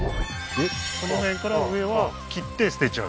えっこの辺から上は切って捨てちゃう？